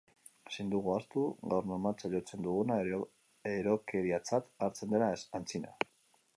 Ezin dugu ahaztu gaur normaltzat jotzen duguna erokeriatzat hartzen zela antzina.